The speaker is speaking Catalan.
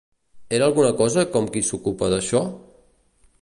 Era alguna cosa com qui s'ocupa d'això?